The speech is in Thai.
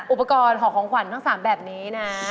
อุปกรณ์ห่อของขวัญทั้ง๓แบบนี้นะ